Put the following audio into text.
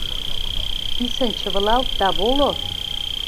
Писын чывылалт да воло!